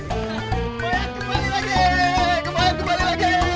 kumain kembali lagi